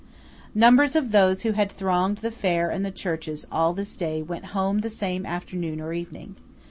Numbers of those who had thronged the fair and the churches all this day, went home the same afternoon or evening.